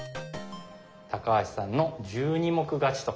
橋さんの１２目勝ちと。